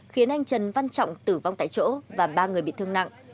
khiến anh trần văn trọng tử vong tại chỗ và ba người bị thương nặng